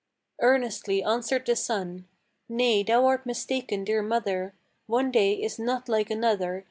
Earnestly answered the son: "Nay, thou art mistaken, dear mother: One day is not like another.